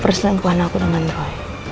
perselengkuhan aku dengan roy